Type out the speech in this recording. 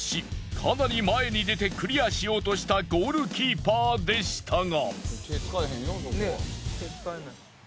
かなり前に出てクリアしようとしたゴールキーパーでしたが。